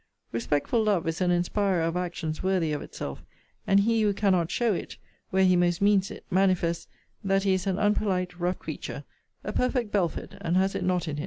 Respectful love is an inspirer of actions worthy of itself; and he who cannot show it, where he most means it, manifests that he is an unpolite rough creature, a perfect Belford, and has it not in him.